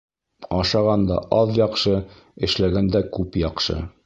Ашағанда аҙ яҡшы, эшләгәндә күп яҡшы.